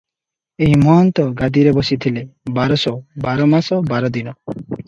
ଏହି ମହନ୍ତ ଗାଦିରେ ବସିଥିଲେ - ବାରଶ ବାର ମାସ ବାର ଦିନ ।